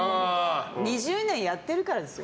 ２０年やってるからですよ。